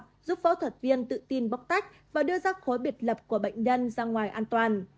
giúp phẫu thuật viên tự tin bóc tách và đưa ra khối biệt lập của bệnh nhân ra ngoài an toàn